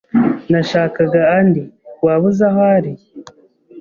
Nashakaga Andy. Waba uzi aho ari?